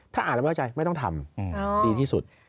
ถ้าอ่านแล้วไม่เข้าใจไม่ต้องทำดีที่สุด